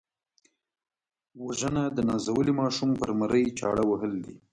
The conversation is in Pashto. وژنه د نازولي ماشوم پر مرۍ چاړه وهل دي